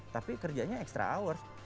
tapi kerjanya extra hour